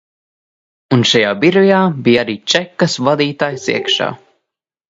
Un šajā birojā bija arī čekas vadītājs iekšā.